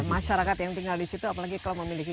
masyarakat yang tinggal di situ apalagi kalau memiliki